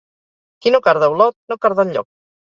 Qui no carda a Olot, no carda enlloc.